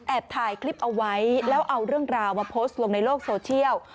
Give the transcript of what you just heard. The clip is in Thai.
ถ่ายคลิปเอาไว้แล้วเอาเรื่องราวมาโพสต์ลงในโลกโซเชียล